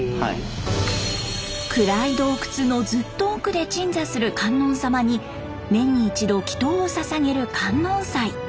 暗い洞窟のずっと奥で鎮座する観音さまに年に一度祈祷をささげる観音祭。